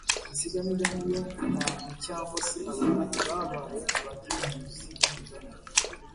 Insigamigani yo ni ahantu cyangwa se abantu babaye abagenuzi b’imigani